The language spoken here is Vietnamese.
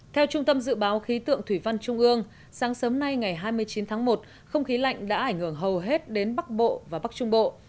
theo trung tâm dự báo khí tượng thủy văn trung ương sáng sớm nay ngày hai mươi chín tháng một không khí lạnh đã ảnh hưởng hầu hết đến bắc bộ và bắc trung bộ